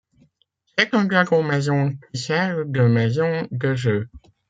C'est un dragon-maison qui sert de maison de jeux.